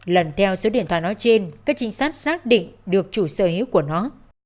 lần theo số điện thoại nói trên các chính sách xác định được chủ sở hữu của nó